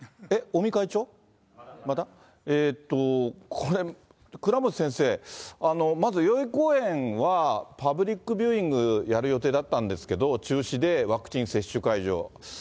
これ、倉持先生、まず代々木公園は、パブリックビューイングやる予定だったんですけど、中止で、ワクチン接種会場。